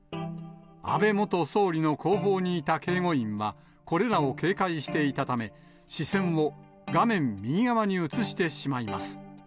安倍元総理の後方にいた警護員は、これらを警戒していたため、視線を画面右側に移してしまいます。